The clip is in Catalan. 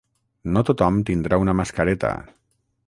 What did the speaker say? No tothom tindrà una mascareta.